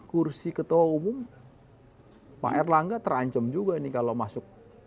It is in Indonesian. kursi ketua umum pak erlangga terancam juga ini kalau masuk